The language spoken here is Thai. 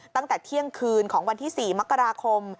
ตั้งแต่เที่ยงคืนของวันที่๔มกราคม